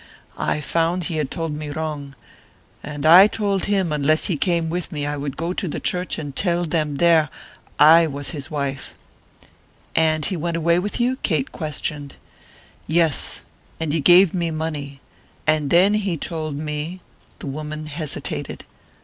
I found he had told me wrong, and I told him unless he came with me I would go to the church and tell them there I was his wife." "And he went away with you?" Kate questioned. "Yes, and he gave me money, and then he told me " The woman hesitated.